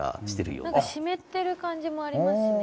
なんか湿ってる感じもありますしね。